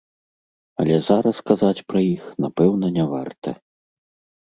Але зараз казаць пра іх, напэўна, не варта.